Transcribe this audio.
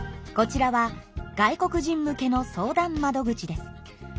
こちらは「外国人向けの相談窓口」です。